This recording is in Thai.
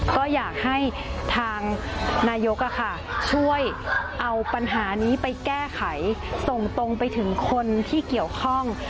ก็อยากให้ทางนายกช่วยเอาปัญหานี้ไปแก้ไขส่งตรงไปถึงคนที่เกี่ยวข้อง